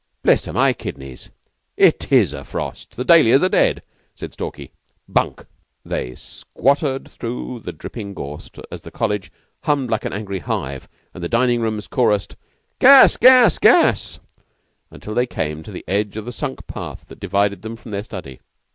"'Blister my kidneys. It is a frost. The dahlias are dead!'" said Stalky. "Bunk!" They squattered through the dripping gorse as the College hummed like an angry hive and the dining rooms chorused, "Gas! gas! gas!" till they came to the edge of the sunk path that divided them from their study.